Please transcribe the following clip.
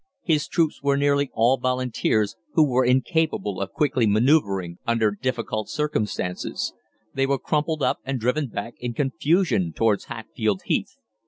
His troops were nearly all Volunteers, who were incapable of quickly manoeuvring under difficult circumstances; they were crumpled up and driven back in confusion towards Hatfield Heath.